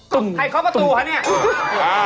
พอแล้วอีกมาเดี๋ยวมา